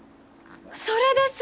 それです！